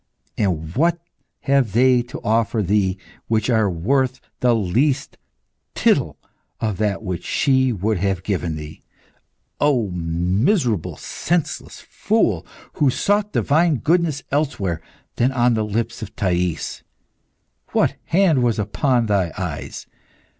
And what have they to offer thee which are worth the least tittle of that which she would have given thee? Oh, miserable, senseless fool, who sought divine goodness elsewhere than on the lips of Thais! What hand was upon thy eyes?